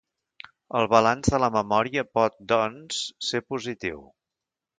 El balanç de la memòria pot doncs ser positiu.